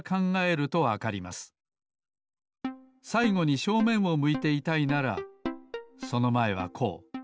さいごに正面を向いていたいならそのまえはこう。